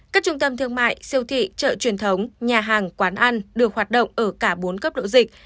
các trung tâm thương mại siêu thị chợ truyền thống nhà hàng quán ăn được hoạt động ở cả bốn cấp độ dịch